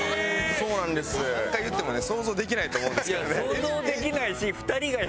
何回言ってもね想像できないと思うんですけどね。